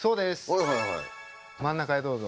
真ん中へどうぞ。